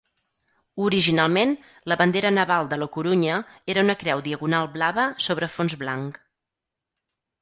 Originalment, la bandera naval de La Corunya era una creu diagonal blava sobre fons blanc.